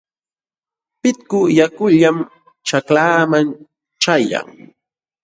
Pitku yakullam ćhaklaaman ćhayan.